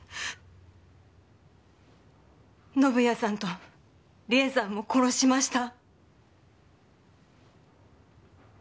宣也さんと理恵さんを殺しました。